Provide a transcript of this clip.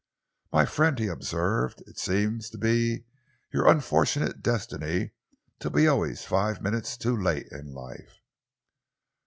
"My friend," he observed, "it seems to be your unfortunate destiny to be always five minutes too late in life."